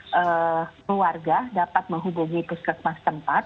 keluarga dapat menghubungi puskesmas tempat